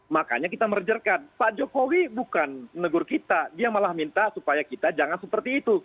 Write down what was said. makanya kita merjerkan pak jokowi bukan menegur kita dia malah minta supaya kita jangan seperti itu